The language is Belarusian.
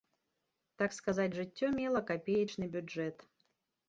Так сказаць, жыццё мела капеечны бюджэт.